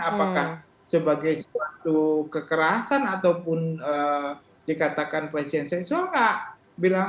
apakah sebagai suatu kekerasan ataupun dikatakan presiden seksual